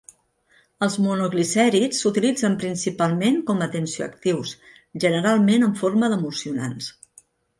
Els monoglicèrids s'utilitzen principalment com a tensioactius, generalment en forma d'emulsionants.